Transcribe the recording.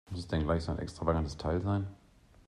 Muss es denn gleich so ein extravagantes Teil sein?